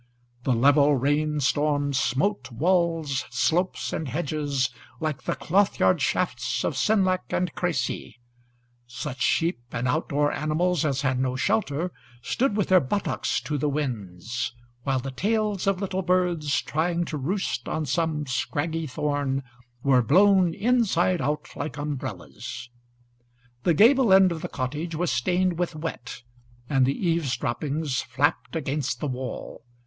The level rain storm smote walls, slopes, and hedges like the cloth yard shafts of Senlac and Crecy. Such sheep and outdoor animals as had no shelter stood with their buttocks to the wind, while the tails of little birds trying to roost on some scraggy thorn were blown inside out like umbrellas. The gable end of the cottage was stained with wet, and the eaves droppings flapped against the wall.